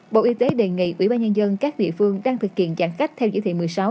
bộ y tế đề nghị ủy ban nhân dân các địa phương đang thực hiện giãn cách theo chỉ thị một mươi sáu